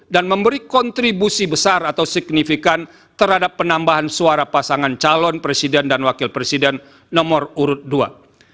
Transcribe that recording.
memberi kontribusi besar atau signifikan terhadap penambahan suara pasangan calon presiden dan wakil presiden nomor urut dua